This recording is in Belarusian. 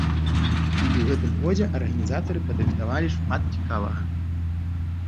І ў гэтым годзе арганізатары падрыхтавалі шмат цікавага.